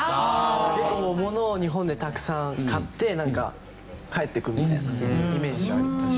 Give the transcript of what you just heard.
結構物を日本でたくさん買ってなんか帰っていくみたいなイメージ。